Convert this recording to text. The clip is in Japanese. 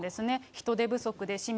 人手不足で市民、